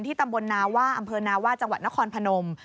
ตำบลนาว่าอำเภอนาว่าจังหวัดนครพนม